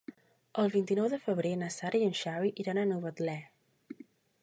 El vint-i-nou de febrer na Sara i en Xavi iran a Novetlè.